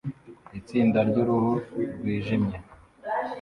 Itsinda ryuruhu rwijimye